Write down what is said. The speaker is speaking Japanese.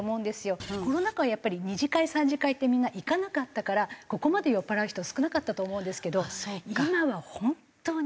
コロナ禍はやっぱり２次会３次会ってみんな行かなかったからここまで酔っ払う人は少なかったと思うんですけど今は本当に酔っ払い